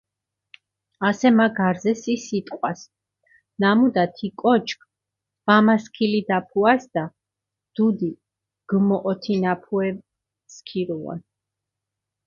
ასე მა გარზე სი სიტყვას, ნამუდა თი კოჩქ ვამასქილიდაფუასჷდა, დუდი გჷმოჸოთინაფუე სქირუონ.